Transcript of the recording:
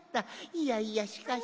いやいやしかし。